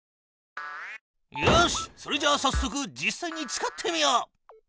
よしっそれじゃあさっそく実さいに使ってみよう。